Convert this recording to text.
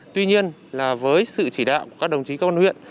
tuy nhiên là với sự chỉ đạo của các đồng chí công an huyện